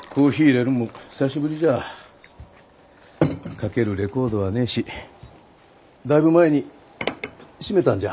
かけるレコードはねえしだいぶ前に閉めたんじゃ。